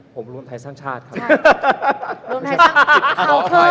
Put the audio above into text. ผมรวมไทยสร้างชาติครับ